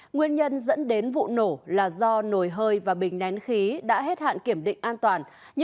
nguyên nhân dẫn đến vụ nổ là do nồi hơi và bình nén khí đã hết hạn kiểm định an toàn